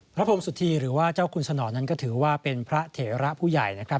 พระพรมสุธีหรือว่าเจ้าคุณสนอนั้นก็ถือว่าเป็นพระเถระผู้ใหญ่นะครับ